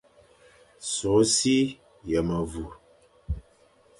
Sukh si ye mewur,